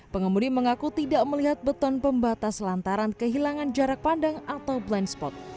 pengemudi mengaku tidak melihat beton pembatas lantaran kehilangan jarak pandang atau blind spot